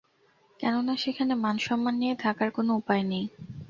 কেননা সেখানে মানসম্মান নিয়ে থাকার কোনো উপায় নেই।